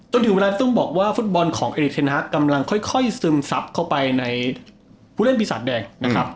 ต้นถึงเวลาต้องบอกว่าฟุตบอลของเอรกเทนฮักกำลังค่อยซึมซับเข้าไปในผู้เล่นปีสัตว์แดง